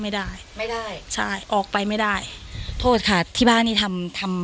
ไม่ได้ไม่ได้ใช่ออกไปไม่ได้โทษค่ะที่บ้านนี้ทำทำ